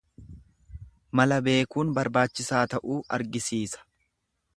Mala beekuun barbaachisaa ta'uu argisiisa.